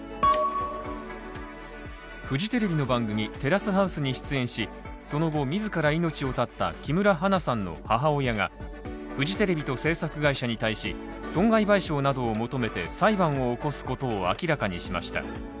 フジテレビの番組「テラスハウス」に出演し、その後自ら命を絶った木村花さんの母親が、フジテレビと制作会社に対し損害賠償などを求めて裁判を起こすことを明らかにしました。